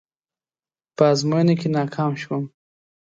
په ازموينه کې ناکام شوم.